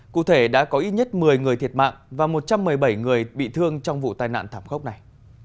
cụ thể đã có ít nhất một mươi người thiệt mạng và một trăm một mươi bảy người bị thương trong vụ tai nạn thảm khốc này